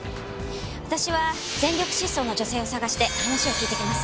私は全力疾走の女性を捜して話を聞いてきます。